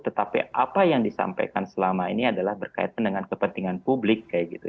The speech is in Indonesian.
tetapi apa yang disampaikan selama ini adalah berkaitan dengan kepentingan publik kayak gitu